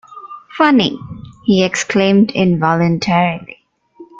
‘Funny!’ he exclaimed involuntarily.